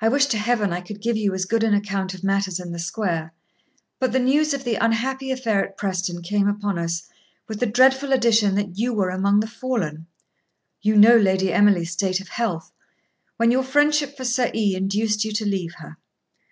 I wish to Heaven I could give you as good an account of matters in the square. But the news of the unhappy affair at Preston came upon us, with the dreadful addition that you were among the fallen. You know Lady Emily's state of health, when your friendship for Sir E. induced you to leave her.